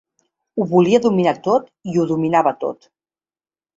Ho volia dominar tot i ho dominava tot.